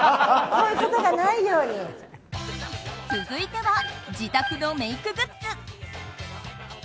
続いては、自宅のメイクグッズ。